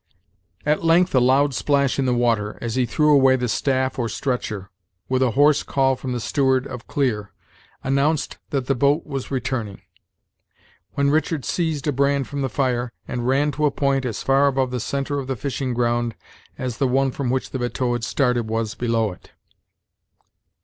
At length a loud splash in the water, as he threw away the "staff," or "stretcher," with a hoarse call from the steward of "Clear," announced that the boat was returning; when Richard seized a brand from the fire, and ran to a point as far above the centre of the fishing ground, as the one from which the batteau had started was below it.